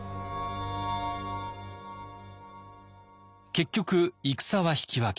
結局戦は引き分け。